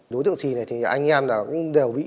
đối tượng sì này thì anh em cũng đều bị